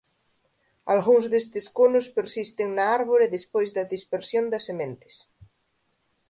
Algúns destes conos persisten na árbore despois da dispersión das sementes.